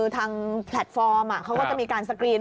ทางแพลตฟอร์มเขาก็จะมีการสกรีน